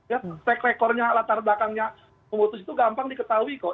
ya track record nya latar belakangnya pemutus itu gampang diketahui kok